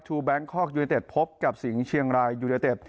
แบงคอกยูนิเต็ดพบกับสิงห์เชียงรายยูเนเต็ด